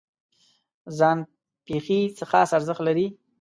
ځان پېښې څه خاص ارزښت لري؟